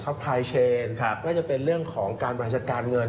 ซัพพลายเชนครับไม่ว่าจะเป็นเรื่องของการบริหารจัดการเงิน